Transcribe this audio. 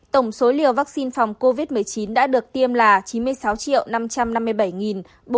tổng số liều vắc xin phòng covid một mươi chín đã được tiêm là chín mươi sáu năm trăm năm mươi bảy bốn trăm năm mươi hai liều